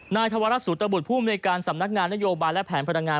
นายธวรัฐสุตบุตรผู้อำนวยการสำนักงานนโยบายและแผนพลังงาน